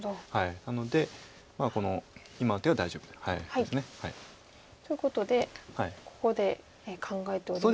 なのでこの今の手は大丈夫と。ということでここで考えておりますが。